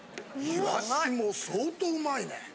いわしも相当うまいね。